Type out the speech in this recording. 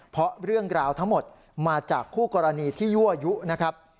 เพราะเรื่องราวทั้งหมดมาจากคู่กรณีที่ยั่วยุนะครับ